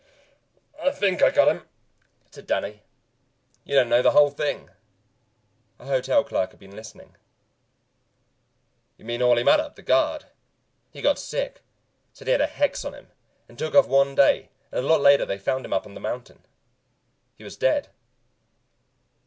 "I think I got him," said Danny. "You don't know the whole thing." A hotel clerk had been listening. "You mean Orley Mattup, the guard? He got sick, and said he had a hex on him, and took off one day and a lot later they found him up on the mountain. He was dead."